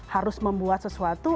harus membuat sesuatu